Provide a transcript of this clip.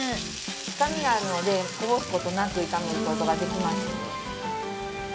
深みがあるのでこぼす事なく炒める事ができます。